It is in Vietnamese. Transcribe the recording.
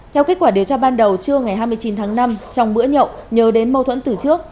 theo kết quả điều tra ban đầu trưa ngày hai mươi chín tháng năm trong bữa nhậu nhớ đến mâu thuẫn từ trước